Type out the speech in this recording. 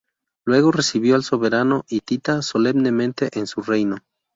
Luego recibió al soberano hitita solemnemente en su reino.